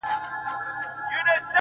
چي له چا به مولوي وي اورېدلې؛